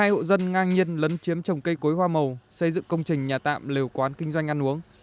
một mươi hộ dân ngang nhiên lấn chiếm trồng cây cối hoa màu xây dựng công trình nhà tạm lều quán kinh doanh ăn uống